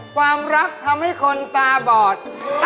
ความรักทำให้คนตาบอด